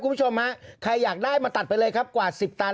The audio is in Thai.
คุณผู้ชมฮะใครอยากได้มาตัดไปเลยครับกว่า๑๐ตัน